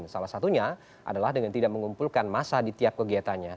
salah satunya adalah dengan tidak mengumpulkan massa di tiap kegiatannya